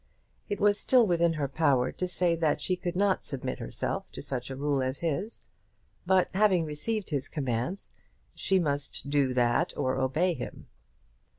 It was still within her power to say that she could not submit herself to such a rule as his, but having received his commands she must do that or obey them.